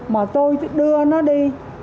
mà tôi đưa nó đi